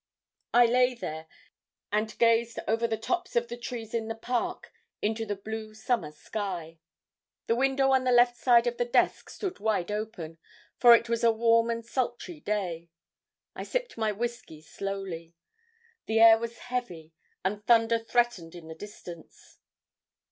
I lay there and gazed out over the tops of the trees in the park up into the blue summer sky. The window on the left side of the desk stood wide open, for it was a warm and sultry day. I sipped my whisky slowly. The air was heavy, and thunder threatened in the distance.